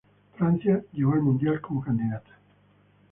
Francia llegó al Mundial como candidato.